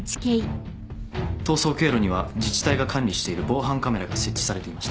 逃走経路には自治体が管理している防犯カメラが設置されていました。